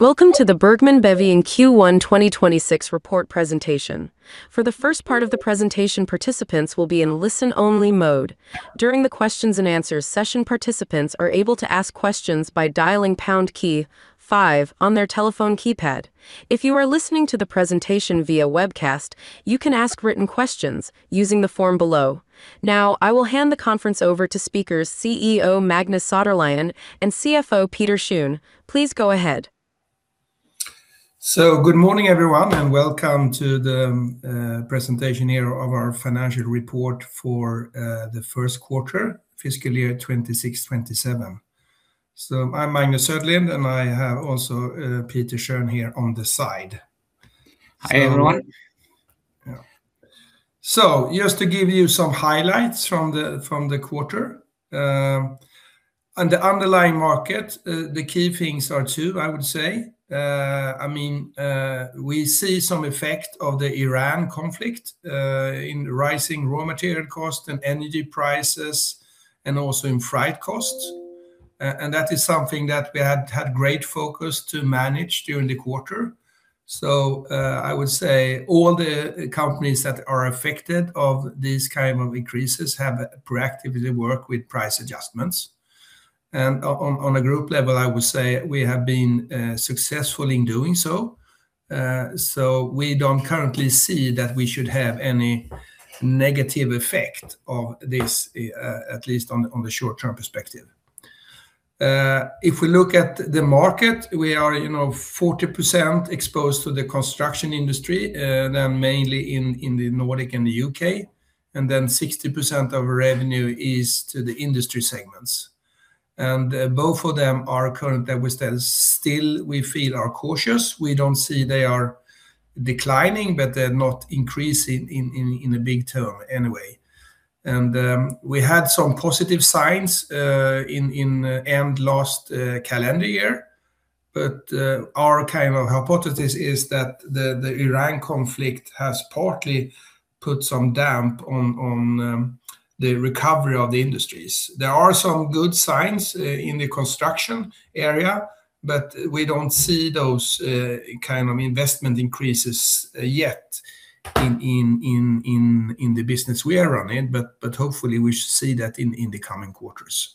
Welcome to the Bergman & Beving Q1 2026 report presentation. For the first part of the presentation, participants will be in listen-only mode. During the questions and answers session, participants are able to ask questions by dialing pound key 5 on their telephone keypad. If you are listening to the presentation via webcast, you can ask written questions using the form below. Now, I will hand the conference over to speakers CEO Magnus Söderlind and CFO Peter Schön. Please go ahead. Good morning, everyone, and welcome to the presentation here of our financial report for the first quarter fiscal year 2026/2027. I'm Magnus Söderlind, and I have also Peter Schön here on the side. Hi, everyone. Just to give you some highlights from the quarter. On the underlying market, the key things are two, I would say. We see some effect of the Iran conflict in rising raw material cost and energy prices and also in freight costs. That is something that we had great focus to manage during the quarter. I would say all the companies that are affected of these kind of increases have proactively worked with price adjustments. On a group level, I would say we have been successful in doing so. We don't currently see that we should have any negative effect of this, at least on the short-term perspective. If we look at the market, we are 40% exposed to the construction industry, mainly in the Nordic and the U.K., and then 60% of revenue is to the industry segments. Both of them are current that we feel are cautious. We don't see they are declining, but they're not increasing in a big term anyway. We had some positive signs in end last calendar year. Our kind of hypothesis is that the Iran conflict has partly put some damp on the recovery of the industries. There are some good signs in the construction area, but we don't see those kind of investment increases yet in the business we are running. Hopefully we should see that in the coming quarters.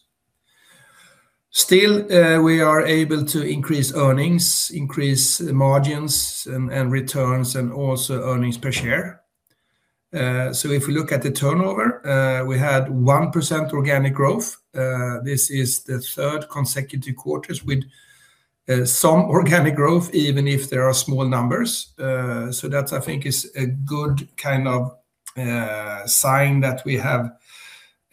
Still, we are able to increase earnings, increase margins and returns, and also earnings per share. If we look at the turnover, we had 1% organic growth. This is the third consecutive quarters with some organic growth, even if there are small numbers. That I think is a good kind of sign that we have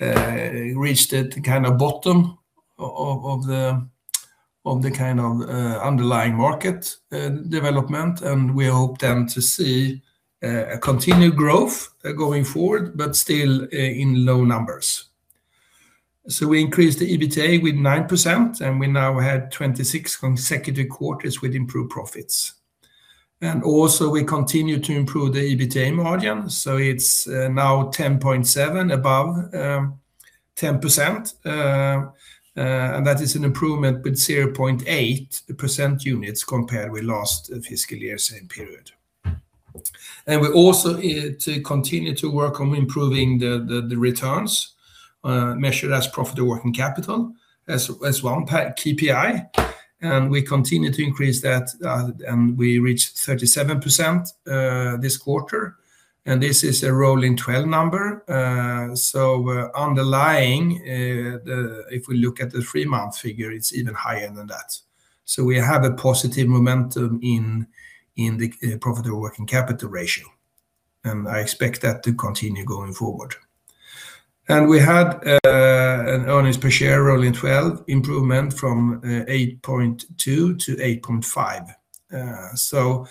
reached a kind of bottom of the kind of underlying market development, and we hope then to see a continued growth going forward, but still in low numbers. We increased the EBITA with 9%, and we now had 26 consecutive quarters with improved profits. Also we continue to improve the EBITA margin. It's now 10.7% above 10%, and that is an improvement with 0.8% units compared with last fiscal year same period. We also continue to work on improving the returns, measured as profit or working capital as one KPI, and we continue to increase that and we reached 37% this quarter, and this is a rolling 12 number. Underlying, if we look at the three-month figure, it's even higher than that. We have a positive momentum in the profit or working capital ratio, and I expect that to continue going forward. We had an earnings per share rolling 12 improvement from 8.2 to 8.5.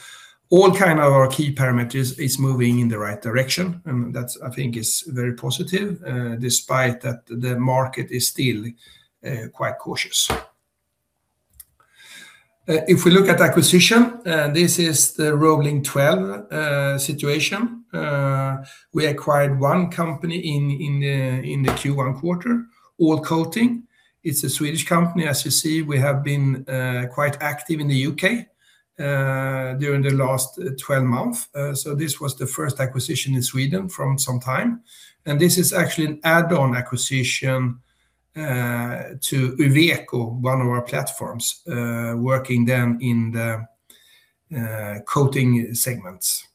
All our key parameters is moving in the right direction, and that I think is very positive, despite that the market is still quite cautious. If we look at acquisition, this is the rolling 12 situation. We acquired one company in the Q1 quarter, All-Coating. It's a Swedish company. As you see, we have been quite active in the U.K. during the last 12 months. This was the first acquisition in Sweden from some time, and this is actually an add-on acquisition to Uveco, one of our platforms, working then in the coating segments.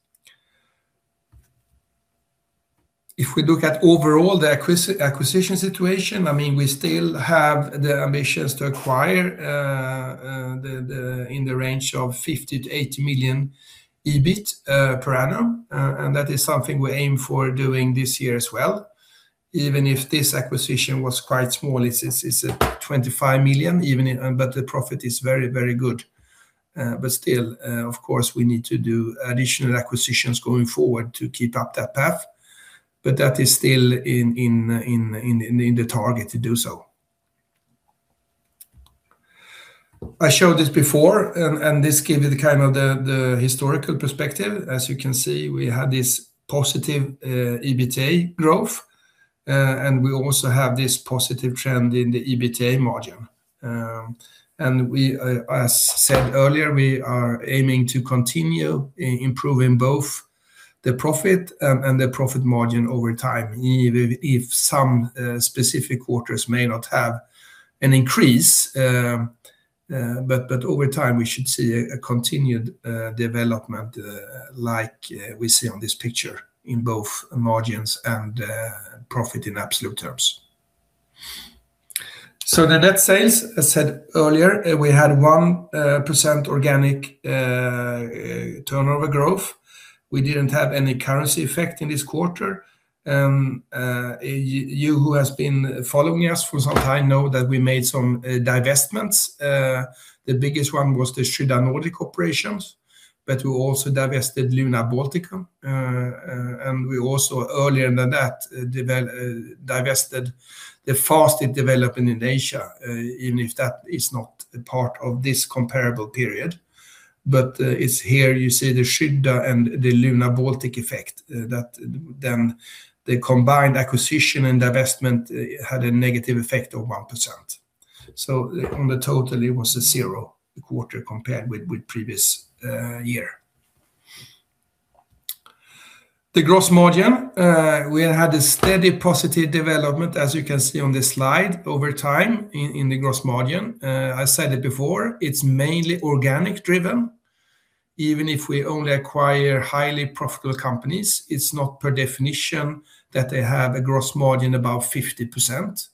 If we look at overall the acquisition situation, we still have the ambitions to acquire in the range of 50 million-80 million EBIT per annum. That is something we aim for doing this year as well. Even if this acquisition was quite small, it's a 25 million, but the profit is very, very good. Still of course we need to do additional acquisitions going forward to keep up that path. That is still in the target to do so. I showed this before, and this give you the historical perspective. As you can see, we had this positive EBITA growth. We also have this positive trend in the EBITA margin. As said earlier, we are aiming to continue improving both the profit and the profit margin over time, even if some specific quarters may not have an increase. Over time, we should see a continued development like we see on this picture in both margins and profit in absolute terms. The net sales, as said earlier, we had 1% organic turnover growth. We didn't have any currency effect in this quarter. You who has been following us for some time know that we made some divestments. The biggest one was the Skydda Nordic operations, but we also divested Luna Baltic. We also earlier than that, divested the fastest development in Asia, even if that is not a part of this comparable period. It's here you see the Skydda and the Luna Baltic effect that then the combined acquisition and divestment had a negative effect of 1%. On the total, it was a zero quarter compared with previous year. The gross margin, we had a steady positive development, as you can see on this slide over time in the gross margin. I said it before, it's mainly organic driven. Even if we only acquire highly profitable companies, it's not per definition that they have a gross margin above 50%.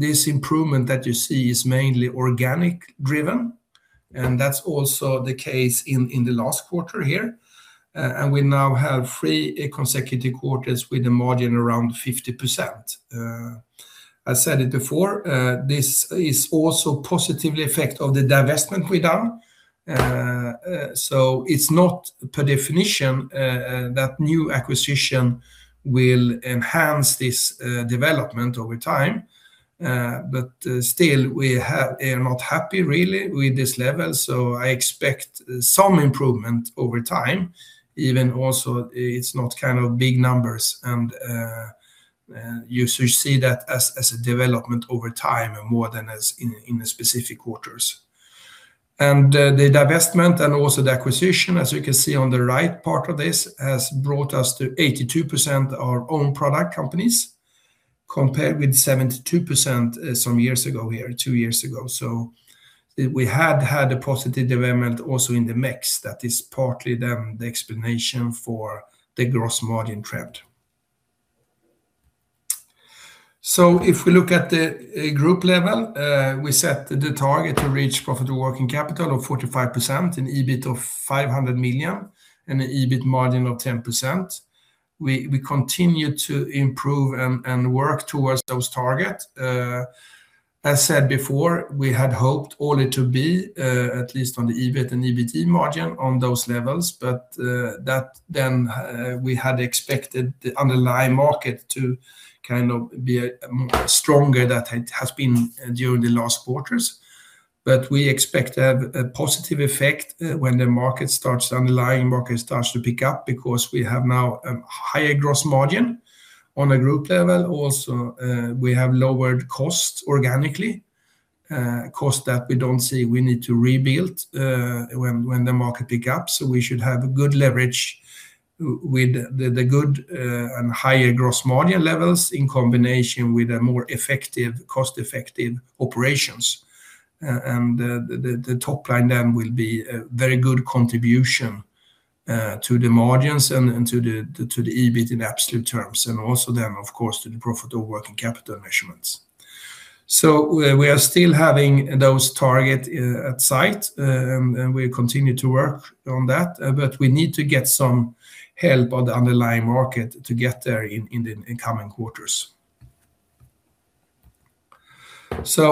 This improvement that you see is mainly organic driven, and that's also the case in the last quarter here. We now have three consecutive quarters with a margin around 50%. I said it before this is also positive effect of the divestment we done. It's not per definition that new acquisition will enhance this development over time. Still, we are not happy really with this level, I expect some improvement over time. Even also, it's not big numbers, and you should see that as a development over time more than as in the specific quarters. The divestment and also the acquisition, as you can see on the right part of this, has brought us to 82% our own product companies compared with 72% some years ago here, two years ago. We had had a positive development also in the mix that is partly then the explanation for the gross margin trend. If we look at the group level, we set the target to reach P/WC of 45%, an EBIT of 500 million, and an EBIT margin of 10%. We continue to improve and work towards those targets. As said before, we had hoped only to be at least on the EBIT and EBIT margin on those levels. That then we had expected the underlying market to be stronger than it has been during the last quarters. We expect to have a positive effect when the underlying market starts to pick up because we have now a higher gross margin on a group level. Also, we have lowered costs organically, costs that we don't see we need to rebuild when the market pick up. We should have good leverage with the good and higher gross margin levels in combination with a more cost-effective operations. The top line then will be a very good contribution to the margins and to the EBIT in absolute terms and also then, of course, to the P/WC measurements. We are still having those targets at sight, we continue to work on that. We need to get some help on the underlying market to get there in the coming quarters.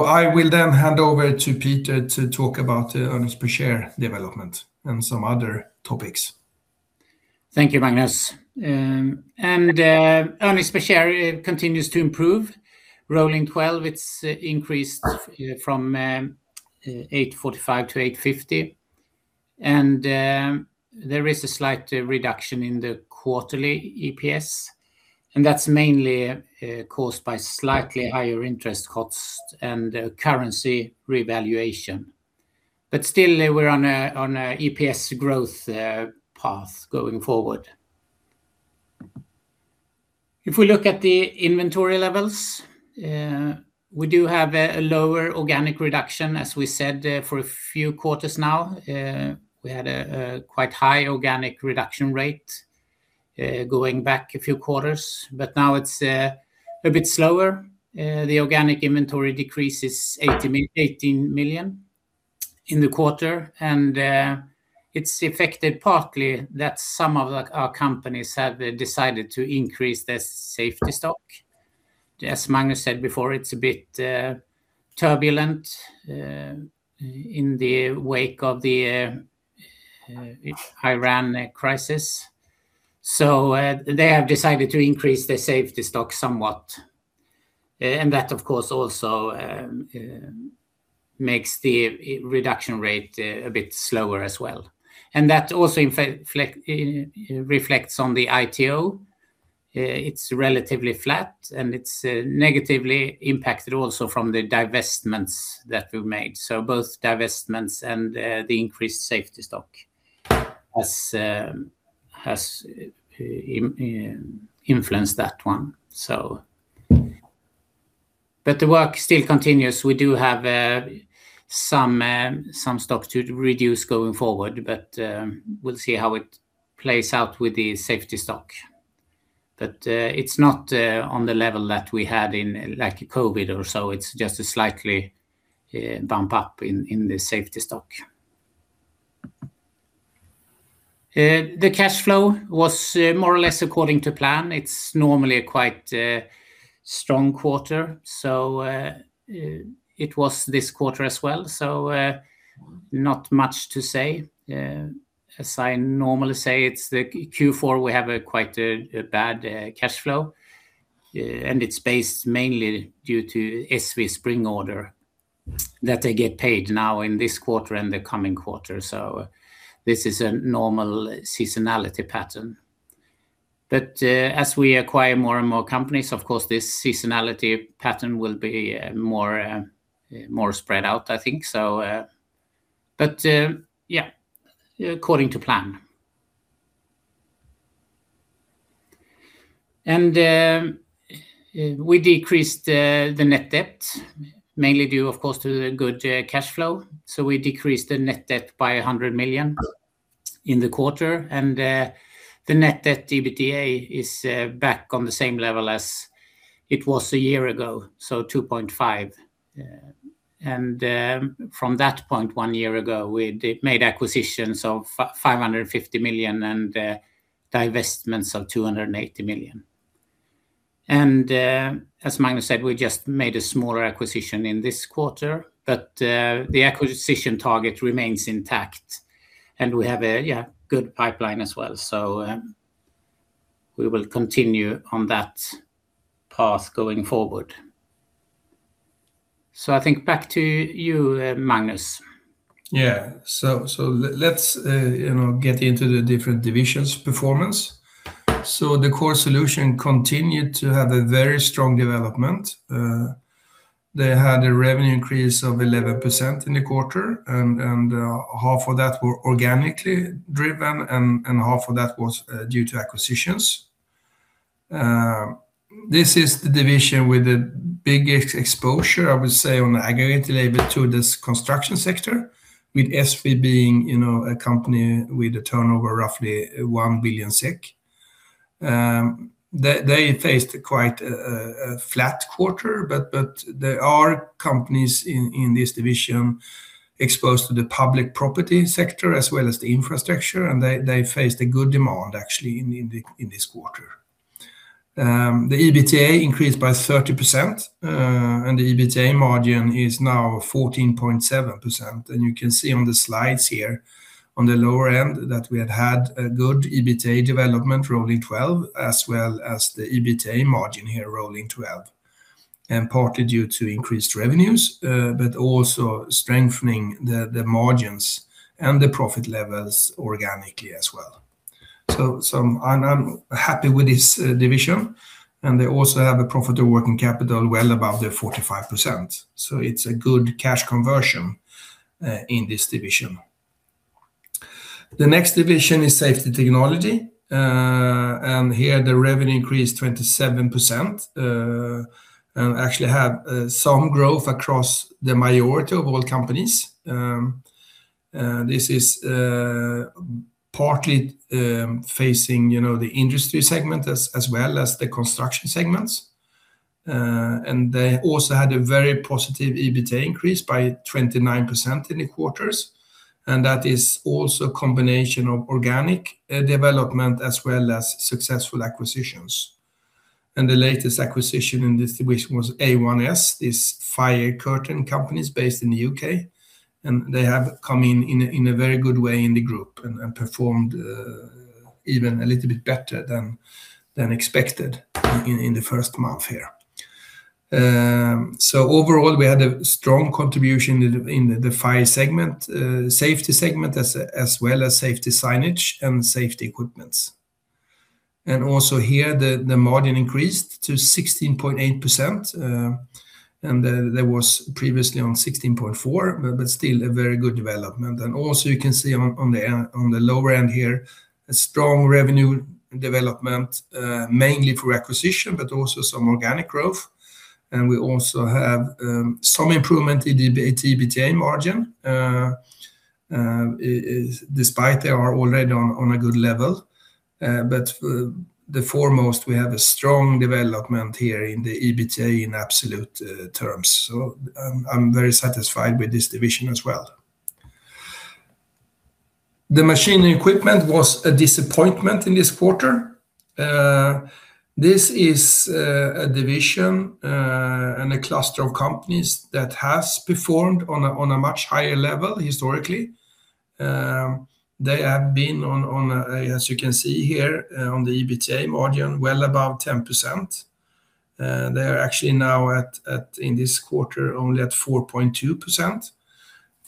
I will hand over to Peter to talk about the earnings per share development and some other topics. Thank you, Magnus. Earnings per share continues to improve. Rolling 12, it's increased from 845 to 850, there is a slight reduction in the quarterly EPS, and that's mainly caused by slightly higher interest costs and currency revaluation. Still, we're on an EPS growth path going forward. If we look at the inventory levels, we do have a lower organic reduction, as we said, for a few quarters now. We had a quite high organic reduction rate going back a few quarters, but now it's a bit slower. The organic inventory decrease is 18 million in the quarter, and it's affected partly that some of our companies have decided to increase their safety stock. As Magnus said before, it's a bit turbulent in the wake of the Iran crisis, they have decided to increase their safety stock somewhat. That, of course, also makes the reduction rate a bit slower as well. That also reflects on the ITO. It's relatively flat, and it's negatively impacted also from the divestments that we've made. Both divestments and the increased safety stock has influenced that one. The work still continues. We do have some stock to reduce going forward, but we'll see how it plays out with the safety stock. It's not on the level that we had in COVID or so. It's just a slight bump up in the safety stock. The cash flow was more or less according to plan. It's normally a quite strong quarter. It was this quarter as well, not much to say. As I normally say, it's the Q4, we have quite a bad cash flow, it's based mainly due to ESSVE Spring order that they get paid now in this quarter and the coming quarter. This is a normal seasonality pattern. As we acquire more and more companies, of course, this seasonality pattern will be more spread out, I think. Yeah, according to plan. We decreased the net debt, mainly due, of course, to the good cash flow. We decreased the net debt by 100 million in the quarter. The net debt EBITA is back on the same level as it was a year ago, 2.5x. From that point one year ago, we made acquisitions of 550 million and divestments of 280 million. As Magnus said, we just made a smaller acquisition in this quarter, the acquisition target remains intact, we have a good pipeline as well. We will continue on that path going forward. I think back to you, Magnus. Let's get into the different divisions' performance. The Core Solutions continued to have a very strong development. They had a revenue increase of 11% in the quarter, half of that were organically driven, half of that was due to acquisitions. This is the division with the biggest exposure, I would say, on the aggregate label to this construction sector, with ESSVE being a company with a turnover roughly 1 billion SEK. They faced quite a flat quarter, there are companies in this division exposed to the public property sector as well as the infrastructure, they faced a good demand actually in this quarter. The EBITA increased by 30%, the EBITA margin is now 14.7%. You can see on the slides here on the lower end that we have had a good EBITA development rolling 12, as well as the EBITA margin here rolling 12. Partly due to increased revenues, also strengthening the margins and the profit levels organically as well. I'm happy with this division, they also have a profit to working capital well above the 45%. It's a good cash conversion in this division. The next division is Safety Technology. Here the revenue increased 27%, actually had some growth across the majority of all companies. This is partly facing the industry segment as well as the construction segments. They also had a very positive EBITA increase by 29% in the quarters. That is also a combination of organic development as well as successful acquisitions. The latest acquisition in this division was A1S, this fire curtain company based in the U.K. They have come in in a very good way in the group and performed even a little bit better than expected in the first month here. Overall, we had a strong contribution in the fire segment, safety segment, as well as safety signage and safety equipments. Also here, the margin increased to 16.8%, that was previously on 16.4%, still a very good development. Also you can see on the lower end here, a strong revenue development, mainly through acquisition, also some organic growth. We also have some improvement in the EBITA margin, despite they are already on a good level. The foremost, we have a strong development here in the EBITA in absolute terms. I'm very satisfied with this division as well. The Machinery & Equipment was a disappointment in this quarter. This is a division and a cluster of companies that has performed on a much higher level historically. They have been, as you can see here on the EBITA margin, well above 10%. They are actually now, in this quarter, only at 4.2%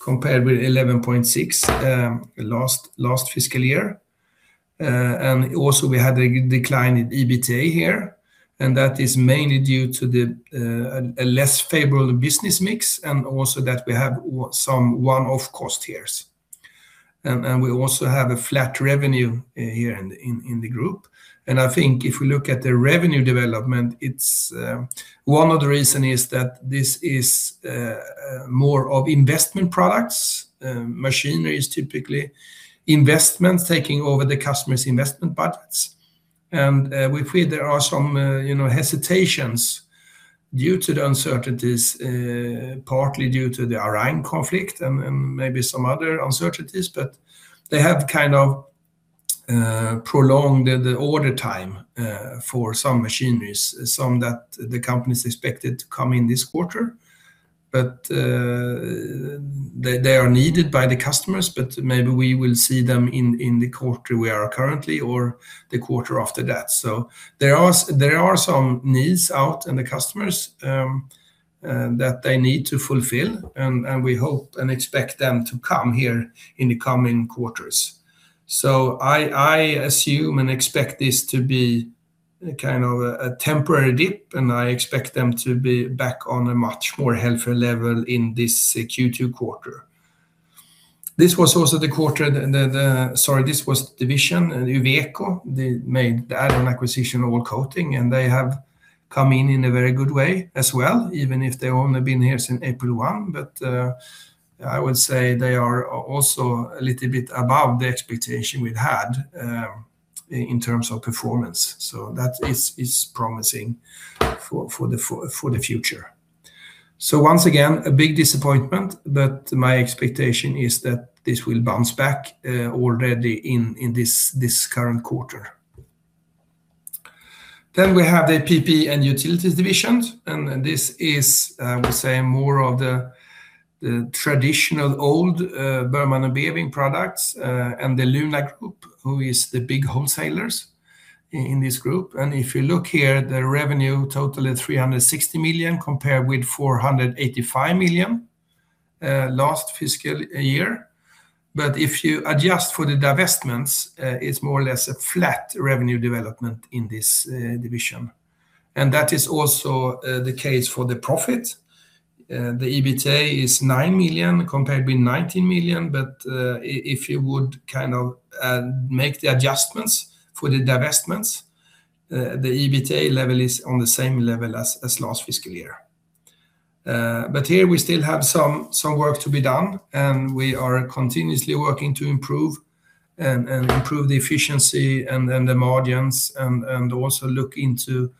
compared with 11.6% last fiscal year. We also had a decline in EBITA here, and that is mainly due to a less favorable business mix and also that we have some one-off cost here. We also have a flat revenue here in the group. I think if we look at the revenue development, one of the reason is that this is more of investment products, machineries, typically, investments taking over the customer's investment budgets. We feel there are some hesitations due to the uncertainties, partly due to the Iran conflict and maybe some other uncertainties, but they have prolonged the order time for some machineries, some that the company's expected to come in this quarter. They are needed by the customers, but maybe we will see them in the quarter we are currently or the quarter after that. There are some needs out in the customers that they need to fulfill, and we hope and expect them to come here in the coming quarters. I assume and expect this to be a temporary dip, and I expect them to be back on a much more healthier level in this Q2 quarter. This was the division, Uveco, they made the add-on acquisition of All-Coating, and they have come in in a very good way as well, even if they only been here since April 1. I would say they are also a little bit above the expectation we've had in terms of performance. That is promising for the future. Once again, a big disappointment, but my expectation is that this will bounce back already in this current quarter. We have the PPE & Utilities divisions, and this is, I would say, more of the traditional, old Bergman & Beving products, and the Luna Group, who is the big wholesalers in this group. If you look here, the revenue total is 360 million, compared with 485 million last fiscal year. If you adjust for the divestments, it's more or less a flat revenue development in this division. That is also the case for the profit. The EBITA is 9 million compared with 90 million, but if you would make the adjustments for the divestments, the EBITA level is on the same level as last fiscal year. Here we still have some work to be done, and we are continuously working to improve the efficiency and the margins and also look into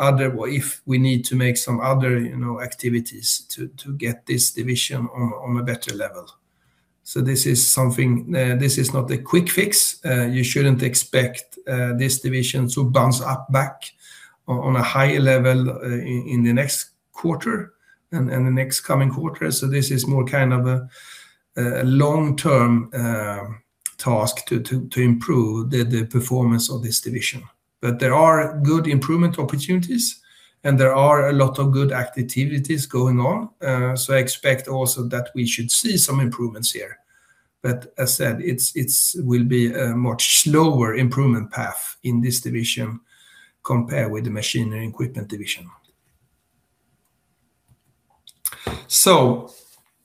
if we need to make some other activities to get this division on a better level. This is not a quick fix. You shouldn't expect this division to bounce up back on a high level in the next quarter and the next coming quarters. This is more a long-term task to improve the performance of this division. There are good improvement opportunities, and there are a lot of good activities going on. I expect also that we should see some improvements here. As said, it will be a much slower improvement path in this division compared with the Machinery & Equipment division.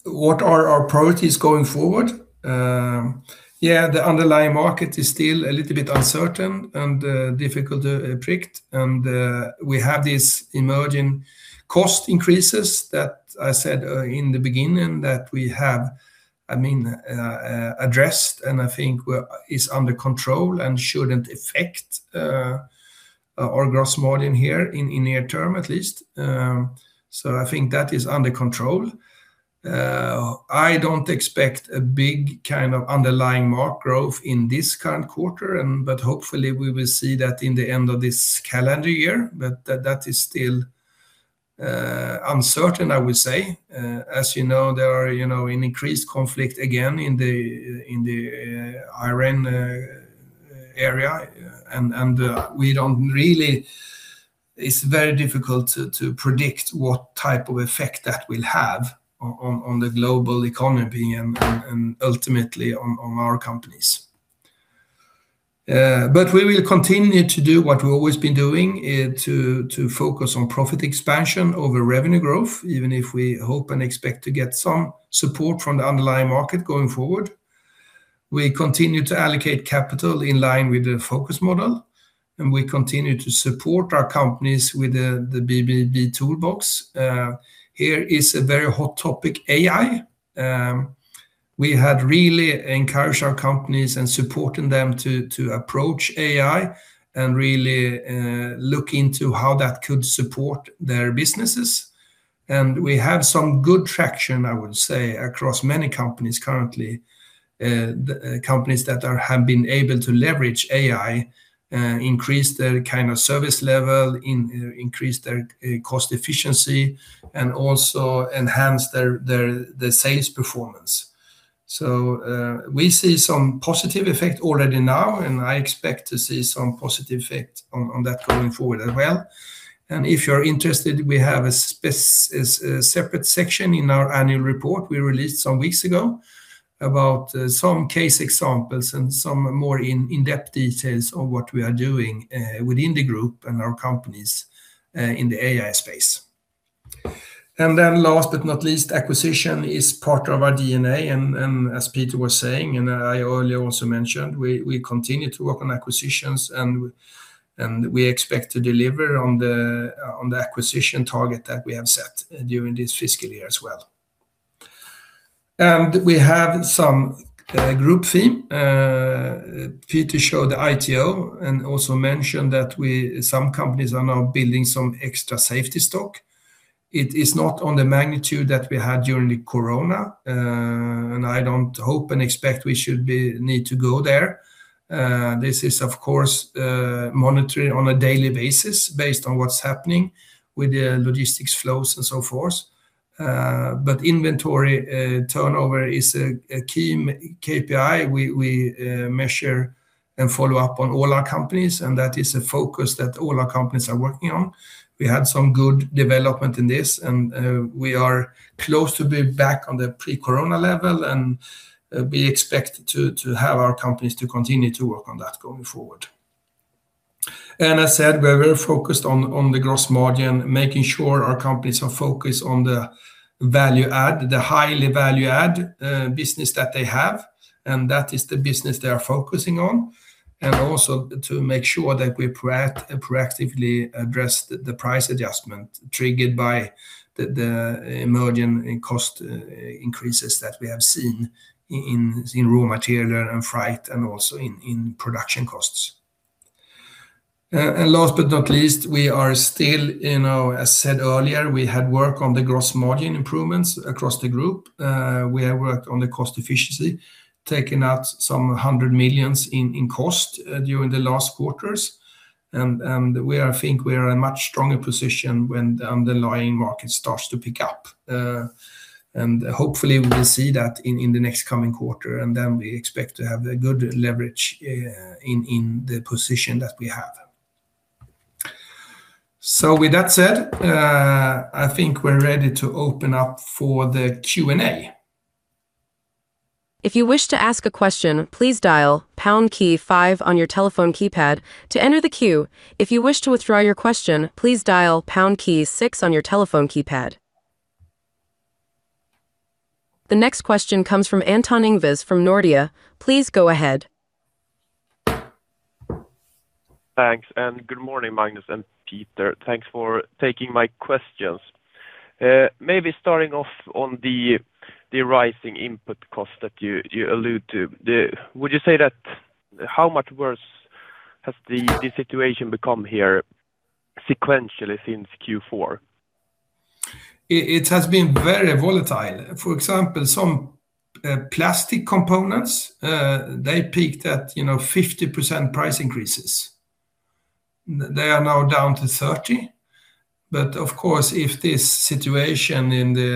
What are our priorities going forward? The underlying market is still a little bit uncertain and difficult to predict. We have these emerging cost increases that I said in the beginning that we have addressed and I think is under control and shouldn't affect our gross margin here in near term, at least. I think that is under control. I don't expect a big underlying market growth in this current quarter, but hopefully we will see that in the end of this calendar year, but that is still uncertain, I would say. As you know, there is an increased conflict again in the Iran area. It's very difficult to predict what type of effect that will have on the global economy and ultimately on our companies. We will continue to do what we've always been doing, to focus on profit expansion over revenue growth, even if we hope and expect to get some support from the underlying market going forward. We continue to allocate capital in line with the Focus Model, and we continue to support our companies with the B&B toolbox. Here is a very hot topic, AI. We had really encouraged our companies and supporting them to approach AI and really look into how that could support their businesses. We have some good traction, I would say, across many companies currently. Companies that have been able to leverage AI increase their service level, increase their cost efficiency, and also enhance their sales performance. We see some positive effect already now, and I expect to see some positive effect on that going forward as well. If you're interested, we have a separate section in our annual report we released some weeks ago about some case examples and some more in-depth details on what we are doing within the group and our companies in the AI space. Last but not least, acquisition is part of our DNA. As Peter was saying, and I earlier also mentioned, we continue to work on acquisitions, and we expect to deliver on the acquisition target that we have set during this fiscal year as well. We have some group theme, Peter showed the ITO and also mentioned that some companies are now building some extra safety stock. It is not on the magnitude that we had during the corona, and I don't hope and expect we should need to go there. This is, of course, monitoring on a daily basis based on what's happening with the logistics flows and so forth. Inventory turnover is a key KPI. We measure and follow up on all our companies, and that is a focus that all our companies are working on. We had some good development in this, and we are close to being back on the pre-corona level, and we expect to have our companies to continue to work on that going forward. As said, we're very focused on the gross margin, making sure our companies are focused on the value add, the highly value add business that they have, and that is the business they are focusing on. Also to make sure that we proactively address the price adjustment triggered by the emerging cost increases that we have seen in raw material and freight and also in production costs. Last but not least, we are still, as said earlier, we had work on the gross margin improvements across the group. We have worked on the cost efficiency, taking out some 100 millions in cost during the last quarters. We are, I think, in a much stronger position when the underlying market starts to pick up. Hopefully we will see that in the next coming quarter, then we expect to have a good leverage in the position that we have. With that said, I think we're ready to open up for the Q&A. If you wish to ask a question, please dial pound key five on your telephone keypad to enter the queue. If you wish to withdraw your question, please dial pound key six on your telephone keypad. The next question comes from Anton Ingves from Nordea. Please go ahead. Thanks, good morning, Magnus and Peter. Thanks for taking my questions. Maybe starting off on the rising input cost that you allude to. Would you say that how much worse has the situation become here sequentially since Q4? It has been very volatile. For example, some plastic components, they peaked at 50% price increases. They are now down to 30%. But of course, if this situation in the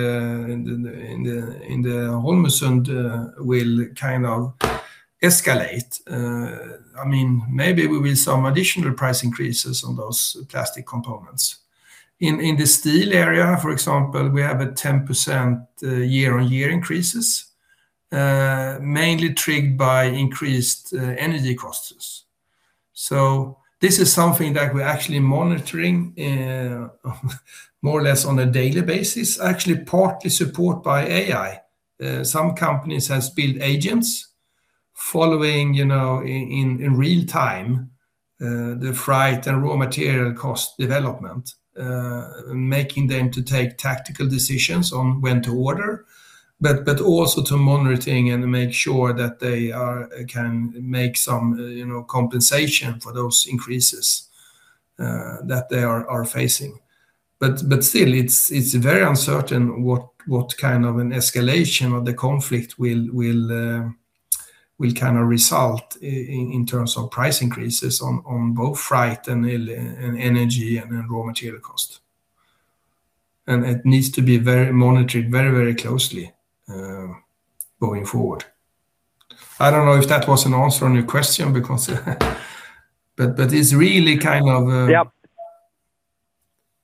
Strait of Hormuz will escalate, maybe we will some additional price increases on those plastic components. This is something that we're actually monitoring more or less on a daily basis, actually partly support by AI. Some companies has built agents following in real-time the freight and raw material cost development, making them to take tactical decisions on when to order, but also to monitoring and make sure that they can make some compensation for those increases that they are facing. Still, it's very uncertain what kind of an escalation of the conflict will result in terms of price increases on both freight and energy and raw material cost. It needs to be monitored very closely, going forward. I don't know if that was an answer on your question. Yep It is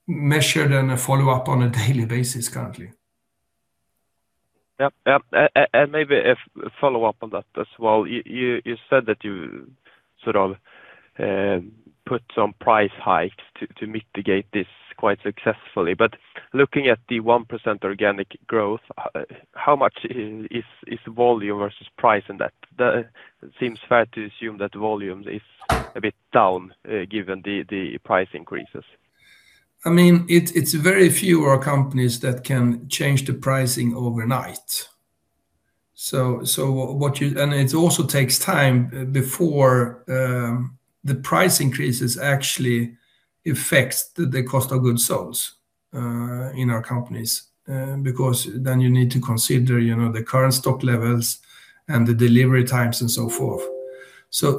measured and a follow-up on a daily basis currently. Yep. Maybe a follow-up on that as well. You said that you sort of put some price hikes to mitigate this quite successfully. Looking at the 1% organic growth, how much is volume versus price in that? That seems fair to assume that volume is a bit down given the price increases. It's very few of our companies that can change the pricing overnight. It also takes time before the price increases actually affects the cost of goods sold in our companies, because then you need to consider the current stock levels and the delivery times and so forth.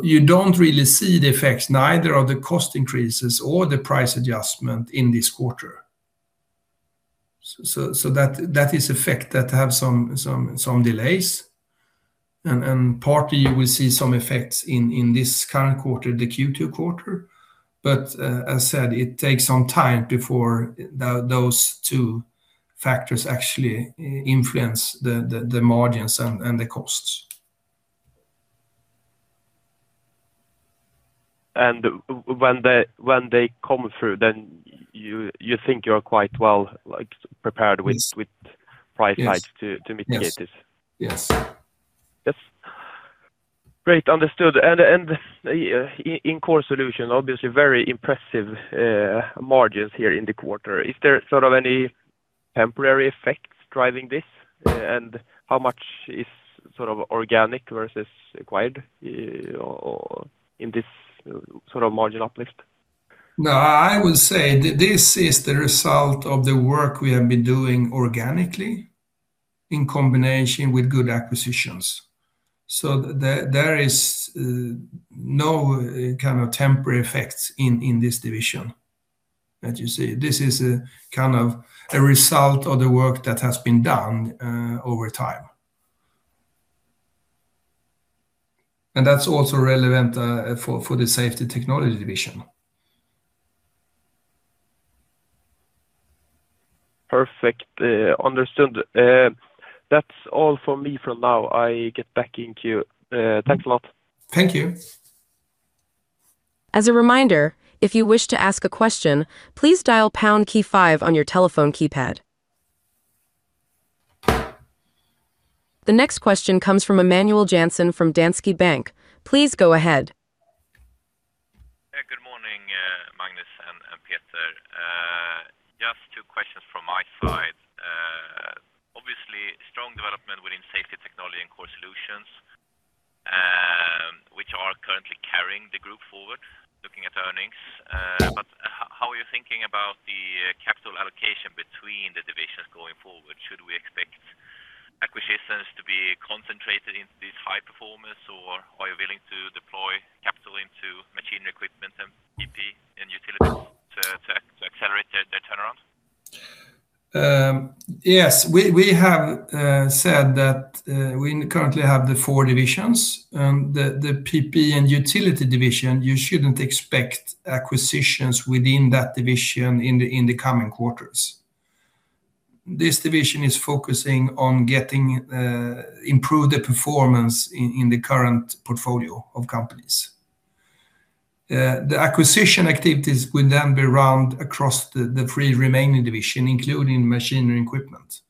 You don't really see the effects, neither of the cost increases or the price adjustment in this quarter. That is effect that have some delays, and partly you will see some effects in this current quarter, the Q2 quarter. As said, it takes some time before those two factors actually influence the margins and the costs. When they come through, you think you're quite well prepared with price hikes to mitigate this? Yes. Yes. Great, understood. In Core Solutions, obviously very impressive margins here in the quarter. Is there any temporary effects driving this? How much is organic versus acquired in this margin uplift? No, I would say this is the result of the work we have been doing organically in combination with good acquisitions. There is no kind of temporary effects in this division that you see. This is a result of the work that has been done over time. That's also relevant for the Safety Technology division. Perfect. Understood. That's all from me for now. I get back in queue. Thanks a lot. Thank you. As a reminder, if you wish to ask a question, please dial pound key five on your telephone keypad. The next question comes from Emanuel Jansson from Danske Bank. Please go ahead. Hey, good morning, Magnus and Peter. Just two questions from my side. Obviously, strong development within Safety Technology and Core Solutions, which are currently carrying the group forward, looking at earnings. How are you thinking about the capital allocation between the divisions going forward? Should we expect acquisitions to be concentrated into these high performers, or are you willing to deploy capital into Machinery & Equipment and PPE & Utilities to accelerate their turnaround? Yes, we have said that we currently have the four divisions. The PPE & Utilities division, you shouldn't expect acquisitions within that division in the coming quarters. This division is focusing on getting improved performance in the current portfolio of companies. The acquisition activities will then be round across the three remaining divisions, including Machinery & Equipment.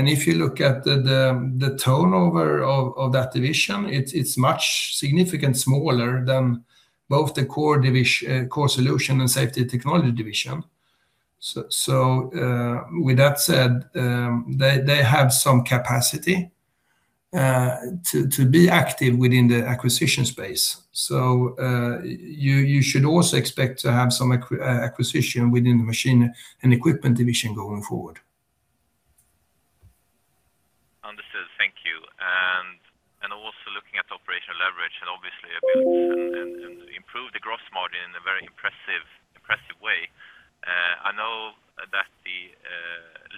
If you look at the turnover of that division, it's much significantly smaller than both the Core Solutions and Safety Technology division. With that said, they have some capacity to be active within the acquisition space. You should also expect to have some acquisition within the Machinery & Equipment division going forward. Understood. Thank you. Also looking at operational leverage and obviously able to improve the gross margin in a very impressive way. I know that the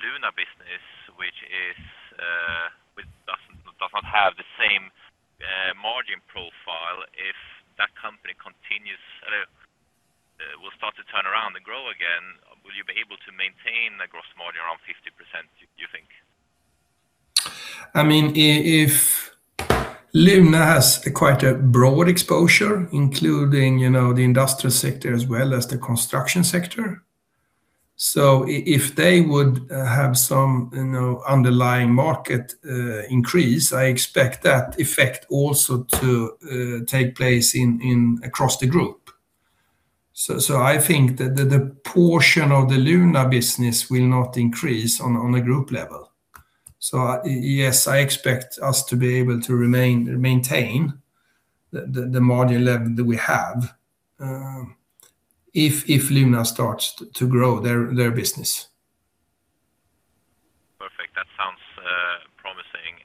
Luna business, which does not have the same margin profile, if that company will start to turn around and grow again, will you be able to maintain a gross margin around 50%, do you think? Luna has quite a broad exposure, including the industrial sector as well as the construction sector. If they would have some underlying market increase, I expect that effect also to take place across the group. I think that the portion of the Luna business will not increase on a group level. Yes, I expect us to be able to maintain the margin level that we have, if Luna starts to grow their business. Perfect. That sounds promising.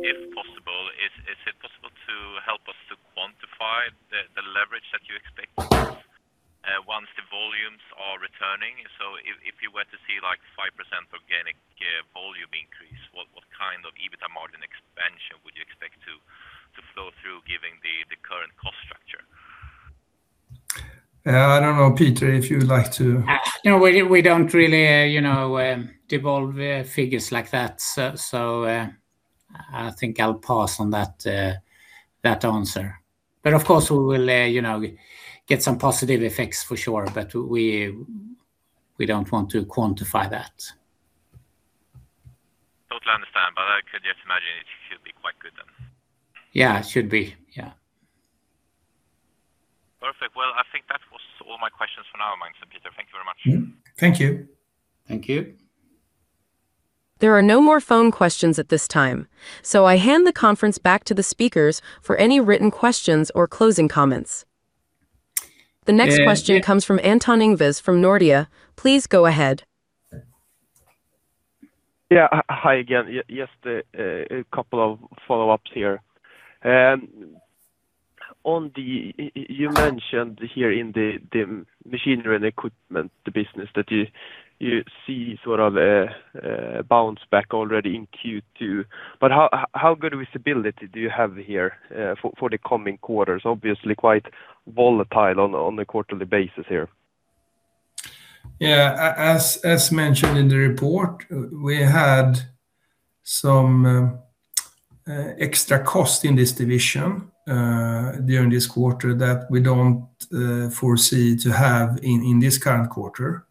If possible, is it possible to help us to quantify the leverage that you expect once the volumes are returning? If you were to see 5% organic volume increase, what kind of EBITA margin expansion would you expect to flow through given the current cost structure? I don't know, Peter, if you would like to. No, we don't really devolve figures like that. I think I'll pause on that answer. Of course we will get some positive effects for sure, but we don't want to quantify that. I totally understand, I could just imagine it should be quite good then. Yeah, it should be. Yeah. Perfect. Well, I think that was all my questions for now, Magnus and Peter. Thank you very much. Thank you. Thank you. There are no more phone questions at this time, so I hand the conference back to the speakers for any written questions or closing comments. The next question comes from Anton Ingves, from Nordea. Please go ahead. Yeah. Hi again. Just a couple of follow-ups here. You mentioned here in the Machinery & Equipment business that you see a bounce back already in Q2. How good of visibility do you have here for the coming quarters? Obviously quite volatile on a quarterly basis here. Yeah. As mentioned in the report, we had some extra cost in this division during this quarter that we don't foresee to have in this current quarter.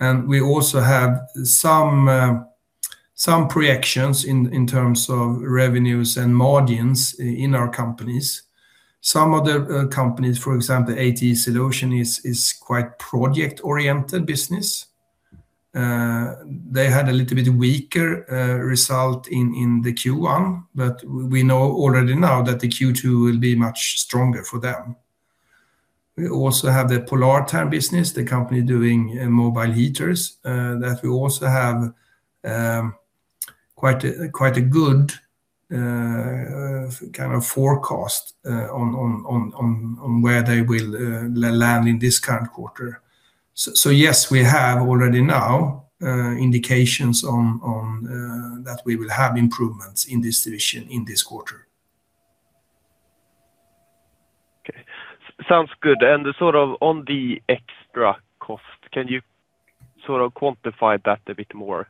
We also have some reactions in terms of revenues and margins in our companies. Some of the companies, for example, A.T.E. Solutions, is quite project-oriented business. They had a little bit weaker result in the Q1. We know already now that the Q2 will be much stronger for them. We also have the Polartherm business, the company doing mobile heaters that we also have quite a good forecast on where they will land in this current quarter. Yes, we have already now indications that we will have improvements in this division in this quarter. Okay. Sounds good. On the extra cost, can you quantify that a bit more?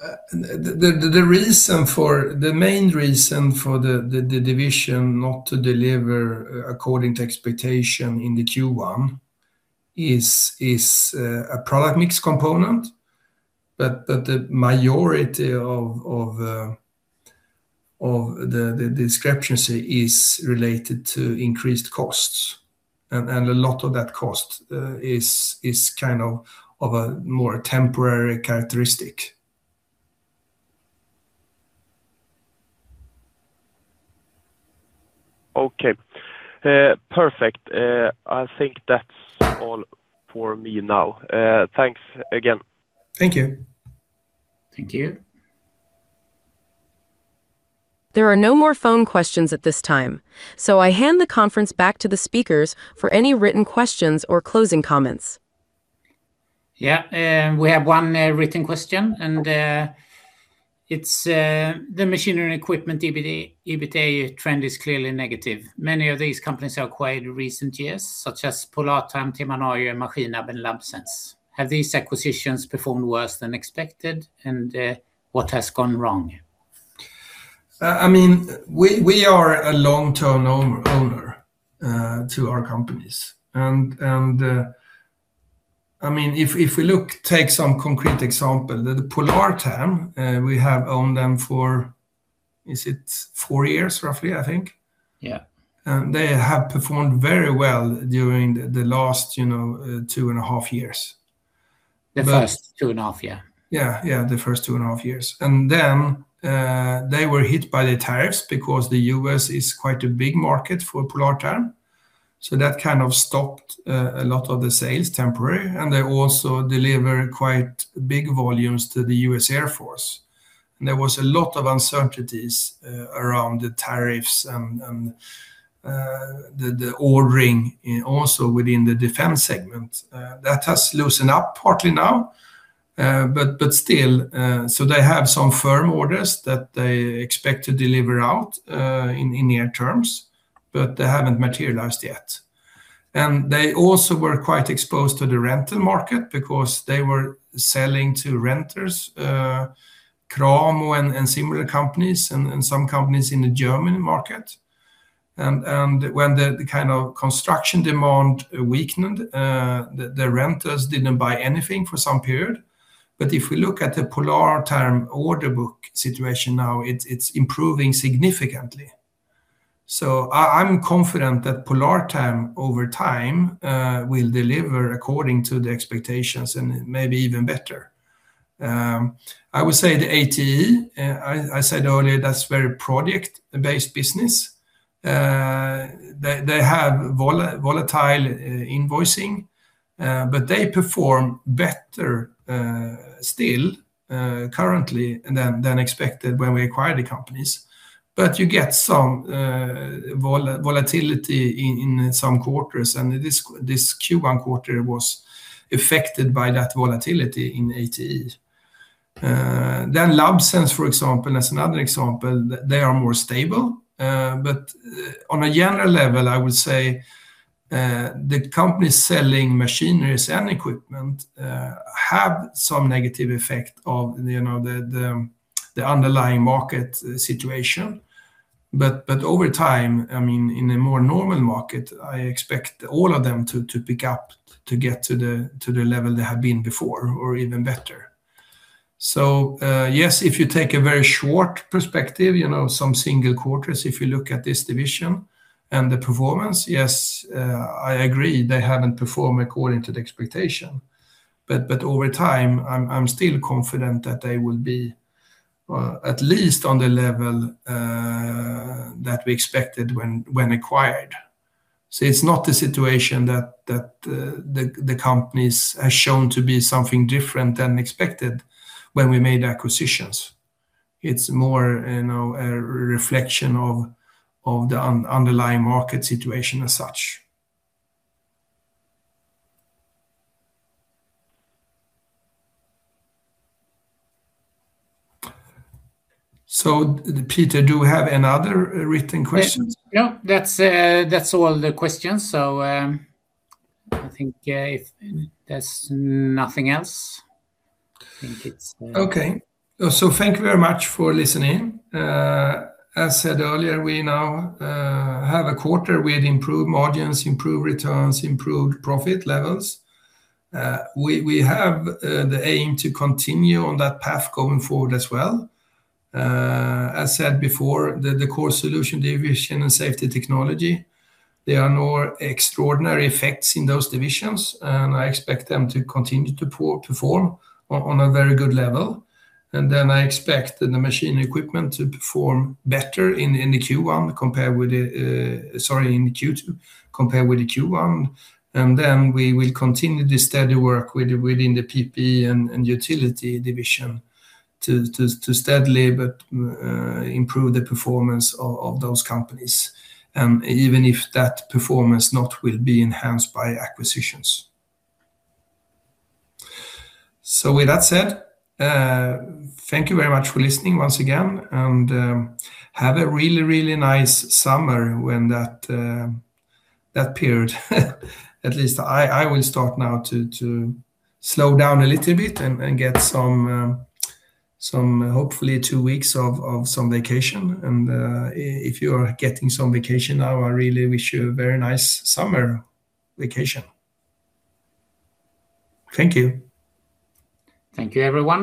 The main reason for the division not to deliver according to expectation in the Q1 is a product mix component. The majority of the discrepancy is related to increased costs. A lot of that cost is of a more temporary characteristic. Okay. Perfect. I think that's all for me now. Thanks again. Thank you. Thank you. There are no more phone questions at this time. I hand the conference back to the speakers for any written questions or closing comments. Yeah. We have one written question, it's the Machinery & Equipment EBITA trend is clearly negative. Many of these companies are acquired recent years such as Polartherm, Tema Norge, Maskinab, and Labsense. Have these acquisitions performed worse than expected? What has gone wrong? We are a long-term owner to our companies. If we take some concrete example, the Polartherm we have owned them for, is it four years roughly, I think? Yeah. They have performed very well during the last two and a half years. The first two and a half, yeah. The first two and a half years. They were hit by the tariffs because the U.S. is quite a big market for Polartherm, so that stopped a lot of the sales temporarily. They also deliver quite big volumes to the U.S. Air Force. There was a lot of uncertainties around the tariffs and the ordering also within the defense segment. That has loosened up partly now but still. They have some firm orders that they expect to deliver out in near terms, but they haven't materialized yet. They also were quite exposed to the rental market because they were selling to renters, Cramo and similar companies, and some companies in the German market. When the construction demand weakened, the renters didn't buy anything for some period. If we look at the Polartherm order book situation now, it's improving significantly. I'm confident that Polartherm over time will deliver according to the expectations and maybe even better. I would say the A.T.E., I said earlier, that's very project-based business. They have volatile invoicing, but they perform better still currently than expected when we acquired the companies. You get some volatility in some quarters, and this Q1 quarter was affected by that volatility in A.T.E. Labsense, for example, that's another example. They are more stable. On a general level, I would say the company selling machineries and equipment have some negative effect of the underlying market situation. Over time, in a more normal market, I expect all of them to pick up to get to the level they have been before or even better. Yes, if you take a very short perspective, some single quarters, if you look at this division and the performance, yes, I agree they haven't performed according to the expectation. Over time, I'm still confident that they will be at least on the level that we expected when acquired. It's not the situation that the companies have shown to be something different than expected when we made acquisitions. It's more a reflection of the underlying market situation as such. Peter, do we have any other written questions? No, that's all the questions. I think if there's nothing else. Thank you very much for listening. As said earlier, we now have a quarter with improved margins, improved returns, improved profit levels. We have the aim to continue on that path going forward as well. As said before, the Core Solutions division and Safety Technology, there are no extraordinary effects in those divisions, and I expect them to continue to perform on a very good level. I expect the Machinery & Equipment to perform better in Q2 compared with Q1. We will continue the steady work within the PPE & Utilities division to steadily improve the performance of those companies, even if that performance not will be enhanced by acquisitions. With that said, thank you very much for listening once again, and have a really nice summer when that period at least I will start now to slow down a little bit and get hopefully two weeks of some vacation. If you are getting some vacation now, I really wish you a very nice summer vacation. Thank you. Thank you, everyone.